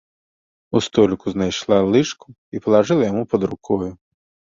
У століку знайшла лыжку і палажыла яму пад рукою.